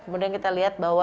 kemudian kita lihat bahwa